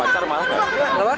pacar marah gak